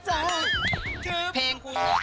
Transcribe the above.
เพลงคน